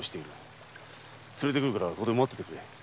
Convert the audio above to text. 連れてくるからここで待っていてくれ。